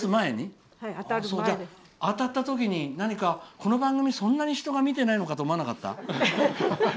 当たったときにこの番組、そんなに人が見てないのかと思わなかった？